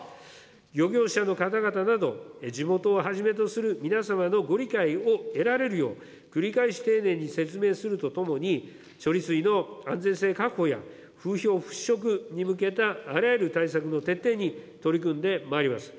漁業者の方々など地元をはじめとする皆様のご理解を得られるよう、繰り返し丁寧に説明するとともに、処理水の安全性確保や風評払拭に向けた、あらゆる対策の徹底に取り組んでまいります。